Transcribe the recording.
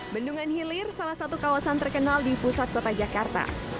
bendungan hilir salah satu kawasan terkenal di pusat kota jakarta